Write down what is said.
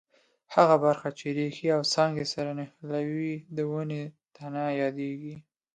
هغه برخه چې ریښې او څانګې سره نښلوي د ونې تنه یادیږي.